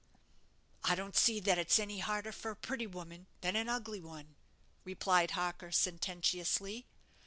"I don't see that it's any harder for a pretty woman than an ugly one," replied Harker, sententiously.